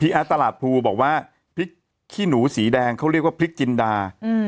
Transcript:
แอดตลาดภูบอกว่าพริกขี้หนูสีแดงเขาเรียกว่าพริกจินดา